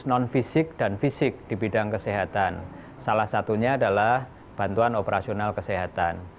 non fisik dan fisik di bidang kesehatan salah satunya adalah bantuan operasional kesehatan